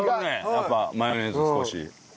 やっぱマヨネーズ少し。